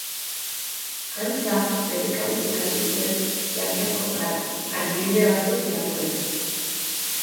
Antza, bere kabuz ikasi zuen xakean jokatzen, argibide batzuk irakurrita.